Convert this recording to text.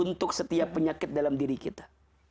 untuk setiap penyakit dalam diri kita